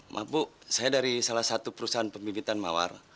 maaf bu saya dari salah satu perusahaan pembibitan mawar